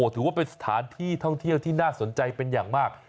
ถือว่าเป็นสถานที่ท่องเที่ยวที่น่าสนใจเป็นอย่างมาก